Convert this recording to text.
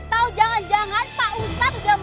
atau jangan jangan pak ustadz udah makan